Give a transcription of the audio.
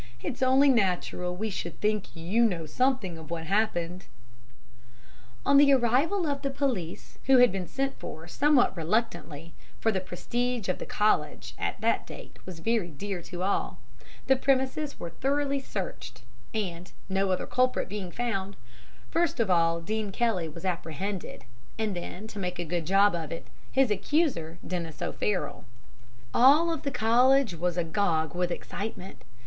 'It's only natural we should think you know something of what happened!' "On the arrival of the police who had been sent for somewhat reluctantly for the prestige of the College at that date was very dear to all the premises were thoroughly searched, and, no other culprit being found, first of all Dean Kelly was apprehended, and then, to make a good job of it, his accuser, Denis O'Farroll. "All the College was agog with excitement.